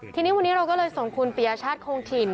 ทีนี้วันนี้เราก็เลยส่งคุณปียชาติคงถิ่น